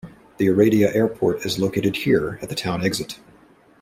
The Oradea Airport is located here, at the town exit.